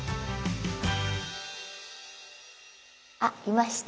あっいました。